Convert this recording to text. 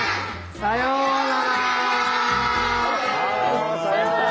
さようなら。